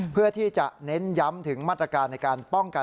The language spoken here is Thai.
เพื่อที่จะเน้นย้ำถึงมาตรการในการป้องกัน